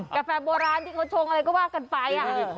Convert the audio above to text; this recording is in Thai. กาแฟโบราณเฉยว่ากันไป